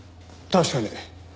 確かに。